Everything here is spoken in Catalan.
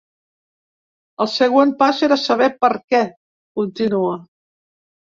El següent pas era saber per què, continua.